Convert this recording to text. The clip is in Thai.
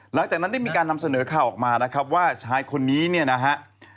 หลังจากนั้นได้มีการนำเสนอข่าวออกมานะครับว่าชายคนนี้เนี่ยนะฮะ